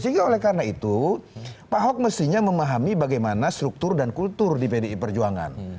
sehingga oleh karena itu pak ahok mestinya memahami bagaimana struktur dan kultur di pdi perjuangan